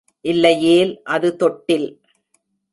இல்லையேல் அது தொட்டில்.